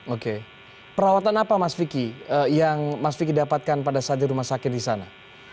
oke perawatan apa mas vicky yang mas vicky dapatkan pada saat di rumah sakit di sana